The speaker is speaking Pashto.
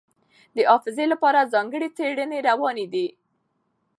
د حافظې لپاره ځانګړې څېړنې روانې دي.